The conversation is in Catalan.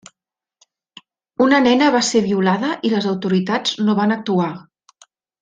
Una nena va ser violada i les autoritats no van actuar.